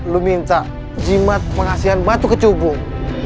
lu minta jimat pengasihan batu kecubung